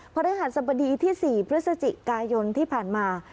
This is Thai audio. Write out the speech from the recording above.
พระฤหัสบดีที่๔พฤศจิกายนที่ผ่านมา